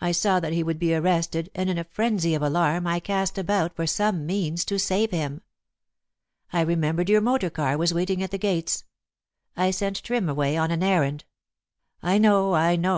I saw that he would be arrested, and in a frenzy of alarm I cast about for some means to save him. I remembered your motor car was waiting at the gates. I sent Trim away on an errand " "I know, I know!